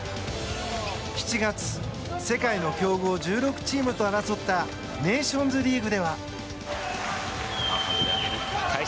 ７月世界の強豪１６チームと争ったネーションズリーグでは。